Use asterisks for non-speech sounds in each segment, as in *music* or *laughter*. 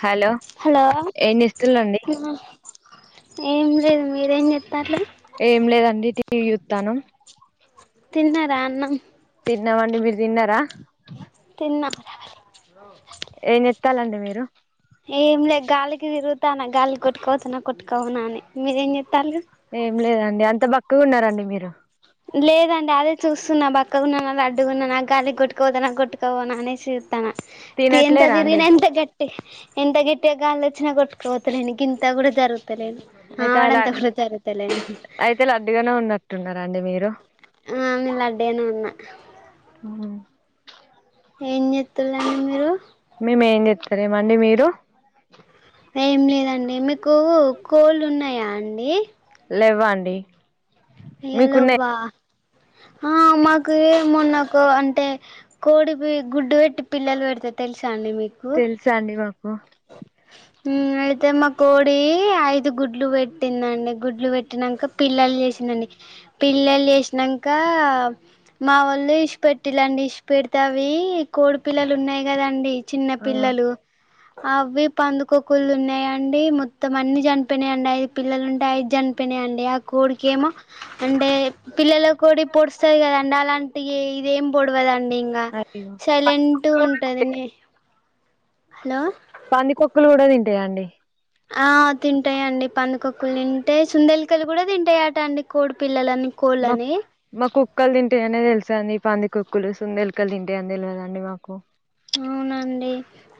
Hello hello ఆ ఏం చేస్తులండి ఏం లేదు మీరేం చెత్తార్రు ఏం లేదండి టీవీ చూత్తన్నం తిన్నారా అన్నం తిన్నామండి మీరు తిన్నారా తిన్న ప్పాలండి మీరు ఏం లేదు గాలికి తిరుగుతాన్నా గాలి కొట్టుకవొతానా కొట్టుకవోనా అని మీరేం జే ఏం లేదండి అంత బక్కగా ఉన్నారండి మీరు సున్నా బక్కకున్నానా లడ్డుగున్నానా గాలిక్కోట్టుకపోతనా కొట్టుకపోనా అనేసి జు తన తినట్లేరా అండి ఎంతదీనినా ఎంత గట్ ఎంత గట్టిగా గాలాచ్చిన కొట్టుకోపోవతలేనికి ఇంత కూడా జరుగు తలేదు అయితే అలా ఆమడంతా కూడా జరుగుతలేదు అయితే లడ్డుగానే ఉన్నట్టున్నారండి మీరు ఆ *inaudible* లడ్డుగానే ఉన్న ఉమ్. ఏం చేత్తల్లండి మీరు మేమేం చెత్తరేమండి మీరు ఏం లేదండి మీకు కోళ్లున్నాయా అండి లెవ్వండి అయ్యో లేవ్వా ఆ మాకు ఏమో నాకు అంటే కోడి గుడ్డు పెట్టి పిల్లలు పెడితే తెలుసు శాండి మీకు తెలుసా అండి మాకు మ్ అయితే మా కోడి ఐదు గుడ్లు పెట్టిందండి గుడ్లు పెట్టినాంక పిల్లలు చేసిన్ద పిల్లలు చేసినంక మా వాళ్ళు ఇడ్షీపెట్టిలాండి ఇడ్షీపెడితే అవి వి కోడి పిల్లలు ఉన్నాయి కదండి చిన్న ఆ పిల్లలు అవి పందుకోక్కులు తిన్నాయిండి మొత్తం అన్ని చనిపోయినాయండి ఐదు పిల్లలు ఉంటే ఐదు చనిపోయినాయి యండి ఆ కోడికేమో అంటే పిల్లలు కోడి పొడుస్తది కదండి అలాంటి ఇదేం పొడవదండి ఇంకా అయ్యో సైలెంట్ ఉంటదిని హలో పందికొక్కులు కూడా తింటాయా అండి ఆ తింటాయండి పందుకొక్కులు తింటాయి సుందలికలు కూడా తింటాయిట అండి కోడి పిల్లలను మా కోళ్లని మా కుక్కలు తింటాయనే తెలుసండి పందికొక్కులు సుందేలుకలు తింటాయని తెల్వదండి మాకు మ్ నండి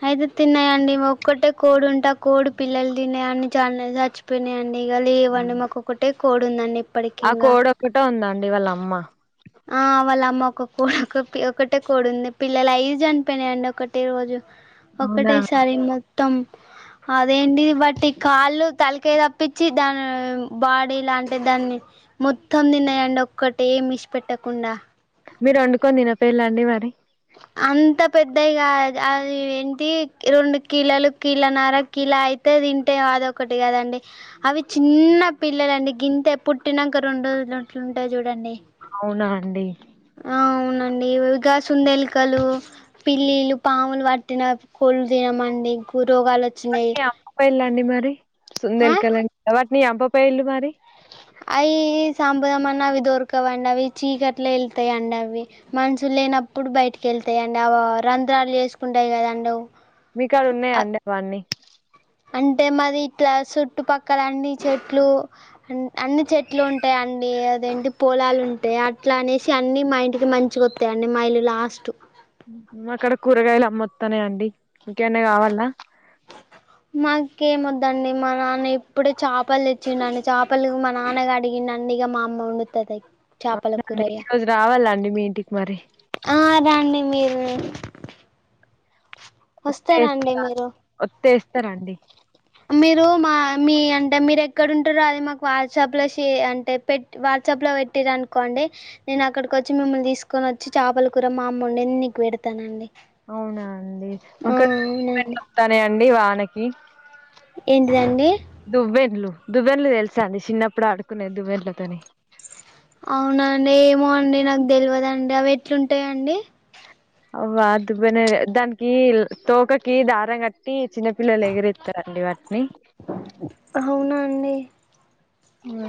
అయితే తిన్నాయండి ఒక్కటే కోడుంటే ఆ కోడు పిల్లలు తిన్నాయన్న చల్నా చ చ్చిపోయినాయండి ఇగ ఉమ్ లేవండి మాకొకటే కోడుందండి ఆ కోడొక్కట ఉందండి వాళ్ళ అమ్మ ఆ వళ్లమ్మ ఒక కో ఒక ఒకటే కోడుంది పిల్లలు అయ్యి చనిపోయినాయండి ఒకటే రోజు అవునా ఒకటేసారి మొత్తం అదేంటి వాటి ఈ కాళ్ళు తలకాయ తప్పించి దాని బాడీ లాంటే దాన్ని మొత్తం తిన్నయండి ఒక్కటేమిశిపెట్టకుండా మీరండుకొని తినపోయిల్లండి మరి అంత పెద్దగా అది ఏంటి రెండు కిలలు కీళ నర కిలా అయితే తింటే అదొ ఒకటి కదండి అవి చిన్న పిల్లలండి గింతె పుట్టినంక రొండు దంట్లు ఉంటాయ్ చూడండి అవునా అండి ఆ అవునండి ఉగాసుందేలికలు పిల్లిళ్లు పాములు పట్టిన కొళ్ళు తినమండి రోగాలు వచ్చినాయి వాటిని అమ్మపోయిల్లండి మరి ఆ సుందేల్కళన్ వాటిని చంప పొయిల్ళు మరి అయి సంపదాం అన్న అవి దొరకవండి అవి చీకట్లా ఎళ్తయండి అవ్వి మనుషుల్ లేనప్పుడు బయటికెళ్తాయండి అవ రంధ్రాలు చేసుకుంటాయి కదండవ్ మీకాడ ఉన్నాయండి పాన్నీ అంటే మది ఇట్లా చుట్టుపక్కల అన్ని చెట్లు అన్ని చెట్లు ఉంటాయ అదేంటి పొలాలు ఉంటాయి అట్లా అనేసి అన్ని మా ఇంటికి మంచిగొస్తాయండి మా ఇల్లు లాస్ట్ మాకాడ కూరగాయలు అమ్మత్తనయ్ అండి ఇంకేన్నా కావాల్నా మాకేమద్దండి మా నాన్న ఇప్పుడే చపల్ దేచ్చిండండి చపలు మా నాన్నగడిగి నండి ఇగ మా అమ్మ వండుతది చేపల కూర అవునండి ఇగ ఈ రోజు రావాలండి మీ ఇంటికి మరి మీ *inaudible* ఒత్తే ఎస్తారండి మీరు మా మీ అంటే మీరు ఎక్కడ ఉంటారో అది మాకు వాట్సాప్ లో షె అంటే పెట్ వాట్ వాట్సాప్ లో పెట్టిర్ అనుకోండి నేను అక్కడికొచ్చి మిమ్మల్ని తీసుకొనచ్చి చేపల కూర మామ్మల్లోది నీకు పెడ్ తానండి అవునా అండి మాకడ్ అవునండి *inaudible* త్తనయండి వానకి ఏంటిందండి దువ్వెండ్లు తెలుసాండి చిన్నప్పుడు ఆడుకునేది దువ్వెండ్లతోని అవునండి ఏమో అండి నాకె దెల్వదండి అవి ఎట్లుంటయండి అవ్వా దువ్వెనే దానికి తోకకి దారం కట్టి చిన్న పిల్లల్ ఎగిరేత్తరండీ వాట్ అవునాండి అ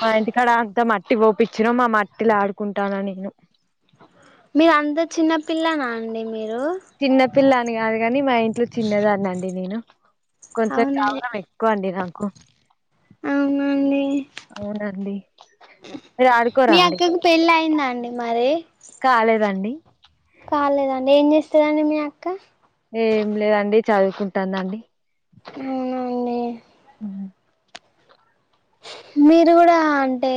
మా ఇంటికాడ అంతమ ట్టి పోపిచ్చినం మా మట్టిల ఆడుకుంటాన నేను మీర్ అంత చిన్నపిల్లనాండి మీరు పిల్లాని కాదు గాని మా ఇంట్లో చిన్నదాన్నిండి నేను కొంచెం అవునా గావరం ఎక్కువ అండి నాక్ అవునండి అవునండి మీ మిరాడుకోరాండి అక్కకు పెళ్ళి అయిందా అండి మారే కాలేదండి కాలేదండి ఏం చేస్తదండి మీ అక్క ఏం లేదండి చదువుకుంటాందండి అవునండి మీరు కూడా అంటే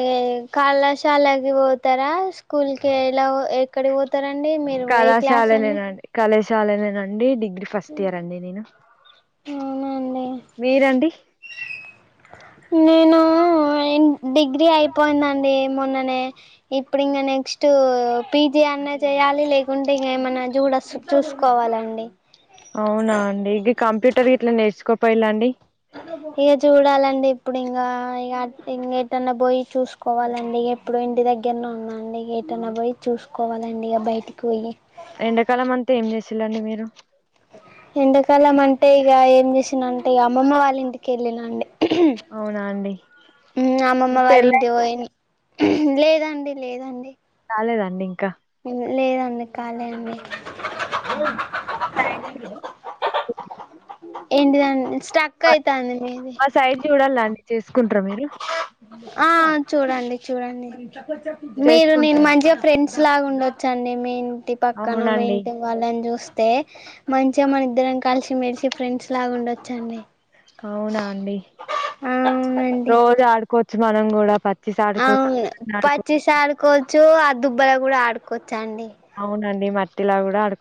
కళాశాలకి పోతారా స్కూల్కెలావ్ ఎక ఏడికి పోతారం. కళాశాలనేనండి కళాశాలనేనండి డిగ్రీ. డిగ్రీ ఫస్ట్ ఇయర్ అండి నేను అవునండి మీరండి. నేను డిగ్రీ అయిపోయిందండి మొన్ననే. ఇప్పుడు ఇంకా నెక్స్ట్ పిజి అన్న చేయాలి లేకుంటే ఇంకా ఏమన్నా చూడస్తు. చూసుకోవాలండి. అవునా చెప్పాలాండి. ఇక చూడాలండి ఇప్పుడు ఇంకా ఇగ ఇంక ఎటన్నా పోయి చూసుకోవాలండి. ఎప్పుడు ఇంటి దగ్గరనే ఉన్నాండి ఇంకా ఎటైనా పోయి చూసుకోవాలండి ఇక బయటికి పోయి. ఎండాకాలం అంతా ఏం చేసింలాండి మీరు. ఎండాకాలం అంటే ఇక ఏం చేసినంటే ఇంకా అమ్మమ్మ వాళ్ళ ఇంటికి వెళ్ళిన అండి. అవునా అండి ఉమ్ అమ్మమ్మ మీకు వాళ్ళ పెళ్ళై ఇంటి పోయి ఉమ్ లేదండి. లేదండి. కాలేదండి ఇంకా. లేదండి కాలే అండి. మా సైడ్ ఏంటిదండి స్ట్రక్ మా అయితంది మీది. మా సైడ్ చూడాలండి చేసుకుంటార మీరు. ఆహ్ చూడండి చూడండి మీరు నేను చేసుకుంటార మంచిగా ఫ్రెండ్స్ లాగా ఉన్. వచ్చండి మీ ఇంటి పక్కన మీ అవునండి ఇంటి వాళ్లను చూస్తే. అంతే మంచిగా మన ఇద్దరం కలిసి మెలిసి ఫ్రెండ్స్ లాగా ఉండొచ్చండి. అవునా అండి అవునండి రోజు ఆడుకోవచ్చు మనం కూడా పక్. అవును పచ్చిసి ఆడుకోవచ్చు ఆ దుబ్బలో కూడా ఆడుకోవచ్చు అండి. అవునండి మట్టిలా కూడా ఆడు.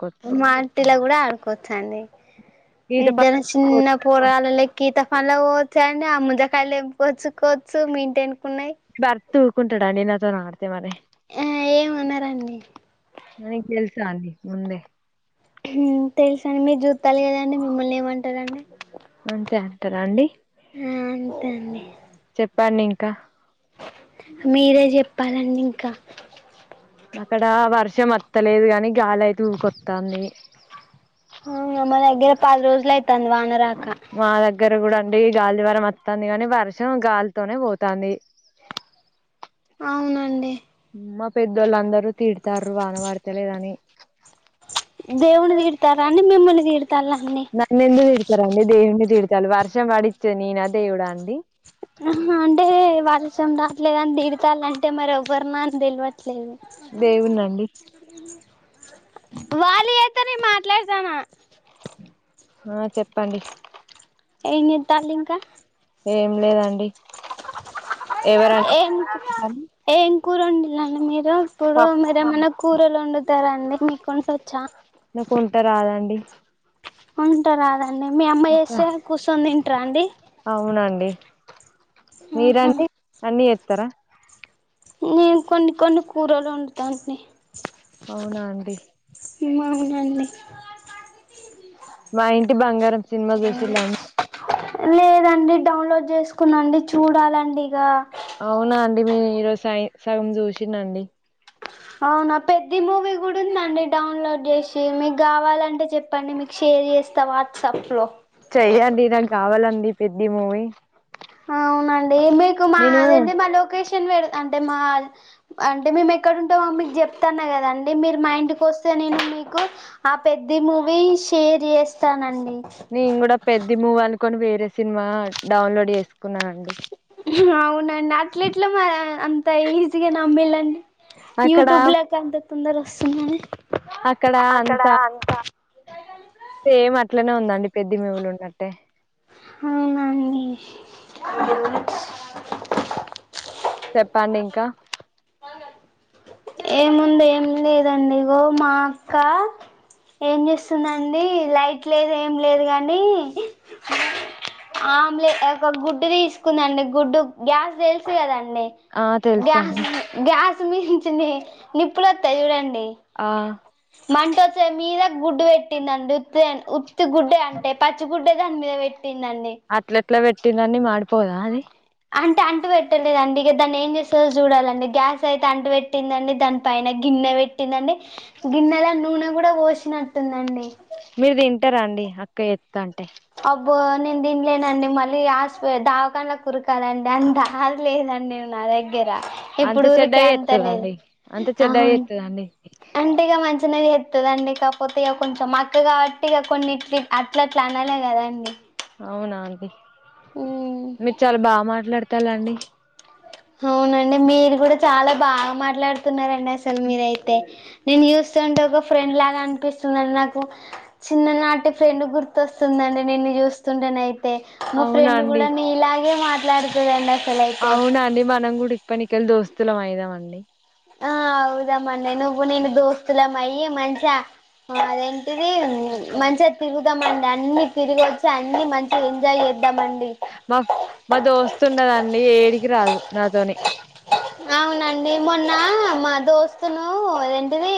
మట్టిలో కూడా ఆడుకోవచ్చండి. ఈత ప ఇద్దరు చిన్న పొరాగలలేక్క ఈత. మళ్ళ పోవచ్చాంటే ఆ ముందకాయలు తేంపుకోచ్చుకోవచ్చు మీ ఇంటి వెనక. భర్త ఊకుంటాడా అండి నాతో ఆడితే మరి. ఆ ఏమనరండి ఆహ్ నీకు తెలుసా అండి ముందే. ఉమ్ తెలుసండి మీరు చూద్దాలేరండి మిమ్మల్ని ఏమంటారండి. అంతే అంటారా అండి ఆ అంతే అండి చెప్పండి ఇంకా. మీరే చెప్పాలండి ఇంకా. ఇక్కడ వర్షం వత్తలేదు కాని గాలి అయితే ఊకొస్తాంది. అవునా మా దగ్గర పది రోజులు అయితాంది వానరాక. మా దగ్గ. దగ్గర కూడా అండి గాలి వాన వస్తది గాని వర్షం గాలితోనే పోతంది. అవునండి. మా పెద్దోళ్ళు అందరూ తిడతాండ్రు వానపడుత లేదని. ప్చ్ దేవుని తిడతారా అండి మిమ్మల్ని. తిడతాల్లా అండి నన్ను ఎందుకు తిడుతారండి దేవుడిని తిడతారు వర్షం పడిచ్చేది నేనా దేవుడా అండి. ఆహ్ అంటే వార్షం దావట్లేదని తిడుతళ్ అంటే మరి ఎవరిని అని తెలువా. దేవునండి. వాళ్ళు చేస్తానే నేను మాట్లాడతానూ. ఆహ్ చెప్పండి. ఏం చెప్పాలి ఇంకా. ఏం లేదండి. ఎవరండి ఎందుకు ఎం కూర వండిలండి మీరు ఇప్పుడు మీర ఏమన్నా కూరలు వండుతారండి మీకు కొం వచ్చా నాకు వంట రాదండి వంట రాదండి మీ అమ్మా చేస్తే కూర్చొని తింటార అండి. ఏ ఆహా మీరండి అన్ని ఎతార? నేను కొన్ని కొన్ని కూరలు వండుతాని అవునా అండి మాములండి మా ఇంటి బంగారం సినిమా చుసిలాం లేదండి డౌన్లోడ్ చేసుకున్నాండి చూడాలండి ఇగ అవునా అండి మీ ఈరోజు సై సగం చూసినండి అవునా పెద్ద మూవీ కూడా ఉందండి డౌన్లోడ్ చేసి మీకు కావాలంటే చెప్పండి మీ షేర్ చేస్తా వాట్సాప్ లో చెయ్యండి నాకు కావాలండి పెద్ధి మూవీ అవునండి మీకు మా నేను అదంటే మా లోకేష్ పెడతా అంటే మా అంటే మేము ఎక్కడున్టే మమ్ చెప్తాన్నా కదా అండి మీరు మా ఇంటికి వస్తే నేను మీకు ఆ పెద్ద మూవీ షేర్ చేస్తానండి నేను కూడా పెద్ద మూవి అనుకొని వేరే సినిమా డౌన్లోడ్ చేసుకున్నా అండి. హ్ అవునండి అట్లెట్లో మా అంత ఈజీగా నమ్మేళండి అక్కడ యూట్యూబ్ లకు అంత తొందర వస్తుందని అక్కడ అంతా సేమ్ అట్లనే ఉంద పెద్ధి మేవలు ఉన్నట్టే అవునా అన్ని చెప్పండి ఇంకా ఏముంది ఏం లేదండి ఇగో మా అక్క ఏం చేస్తుందండి లైట్ లేదు ఏం లేదు కానీ ఆమ్లే ఒక గుడ్డు తీసుకుందండి గుడ్డు గ్యాస్ తెలుసు కదం డి ఆ గ్యా తెలుసండి గ్యాస్ మీచని నిపులొత్త జుడం ఆ మంట వచ్చే మీద గుడ్డు పెట్టిందిండి ఉత్తి ఉత్తి గుడ్డే అంటే పచ్చి గుడ్డే దాని మీద పెట్టి అట్లట్ల పెట్టినన్ని మాడిపోదా అది అంటే అంటు పెట్టలేదండి ఇక దాన్ని ఏం చేస్తుందో చూడాలండి గ్యాస్ అయితే అంటు పెట్టిందండి దాని పైన గి న్నె పెట్టిందండి గిన్నెల నూనె కూడా పోసినట్టుందండి. మీరు తింటారా అండి అక్క ఎత్త అంటే? అబ్బో నేను తినలేనండి మళ్ళీ ఆస్పి దావాకాడ్ల కుర కదండి అంత లేదం డి నా దగ్గర అంత ఇప్పుడు ఊరికే చెడ్డగా అంత అనేది చేత్తదండి అంత చెడ్డగా అవును చేత్తదండి అంటేగా మంచి తినే ఎత్తదిండి కాకపోతే ఇక కొంచెం మా అక్క కాబట్టి ఇగ కొన్ని అట్లా అట్లా అలే కదా అండి అవునా అండి మీరు చాలా బాగా మాట్లాడతాలండి. అవునండి మీరు కూడా చాలా బాగా మాట్లాడుతున్నారండి అసలు మీరైతే నేను చూస్తుంటే ఒక ఫ్రెండ్ లాగా అనిపిస్తుందండి నాకు చిన్న నాటి ఫ్రెండ్ గుర్తొస్తుంది. అండి నిన్ను చూస్తుంటేన అయితే మా అవునా ఫ్రెండ్ అండి కూడా న ఇలాగే మాట్లాడు అవునా అండి మనం కూడా ఇప్పకెళ్ళి దోస్తులం అయిదాం అండి. ఆ అవుదామండి నువ్వు నేను దోస్తులమ్మయి మనిషా అదేంటిది మంచిగా తిరుగుదామండి అన్ని తిరిగి వచ్చి అన్ని మంచిగా ఎంజాయ్ చేద్దా. మా మా దోస్తు ఉన్నదండి ఏడికి రాదు నాతోని. అవునండి మొన్న మా దోస్తులు అదేంటిది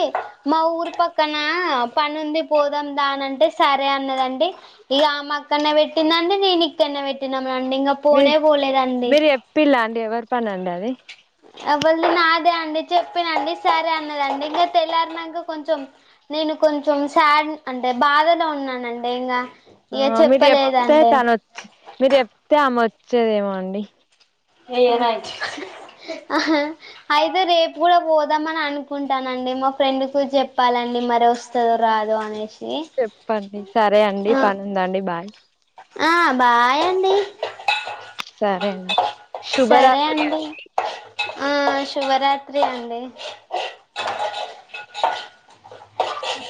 మా ఊరు పక్కన. ఆహ్ పని ఉంది పోదాందానింటే సరే అన్నదండి ఇక ఆమె అక్కడనే పెట్టిందండి. దిని ఇక్కడనే పెట్టినం అండి ఇకా మీ పోనే పోలేదండి. పన్నెండు అది. అవలేదు నాదే అండి చెప్పినండి సరే అన్నదండి ఇంకా తెల్లారినంక కొంచెం నే. నేను కొంచెం శాడ్ అంటే బాధలో ఉన్నానండి ఇంకా. ఆహ్ మీరు చేప్తే తను వచ్చే మీరు చేప్తే ఆమె వచ్చేదేమో అండి. నేను అయితే ఆహ్ రేపు కూడా పోదామా. అనుకుంటానండి మా ఫ్రెండ్ కు చెప్పాలని. మరి వస్తదో రాదో అనేసి చెప్పండి సరే అండి ఆహ్. పని ఉందండి బాయ్ ఆహ్ బాయ్ అండి. సరే శుభరాత్రి అండి. ఆహ్ శుభరాత్రి అండి.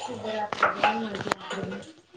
శుభరాత్రి అండి *unintelligible*